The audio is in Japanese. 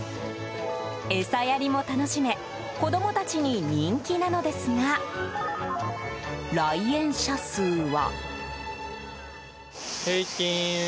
餌やりも楽しめ子供たちに人気なのですが来園者数は。